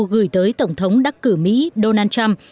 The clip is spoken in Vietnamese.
gửi tới tổng thống đắc cử mỹ donald trump